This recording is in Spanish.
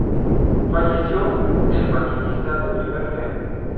Falleció el maquinista del primer tren.